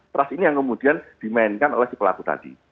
trust ini yang kemudian dimainkan oleh si pelaku tadi